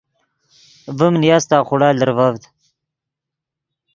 ڤیم نیاستا خوڑا لرڤڤد